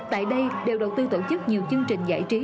tại đây đều đầu tư tổ chức nhiều chương trình giải trí